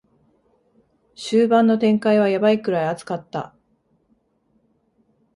終盤の展開はヤバいくらい熱かった